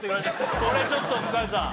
これちょっと向井さん